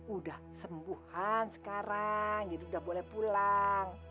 udah sembuhan sekarang jadi udah boleh pulang